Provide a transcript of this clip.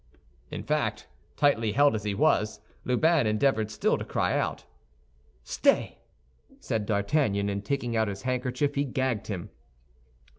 In fact, tightly held as he was, Lubin endeavored still to cry out. "Stay!" said D'Artagnan; and taking out his handkerchief, he gagged him.